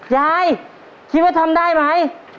ยายคิดว่าทำได้มั้ย